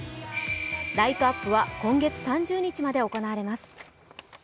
ライトアップは今月３０日まで行われます。